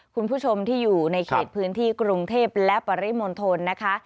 คุณผู้ชมที่อยู่ในเขตพื้นที่กรุงเทพและปริมณฑลนะคะ